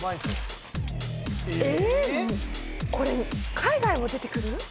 これ海外も出てくる？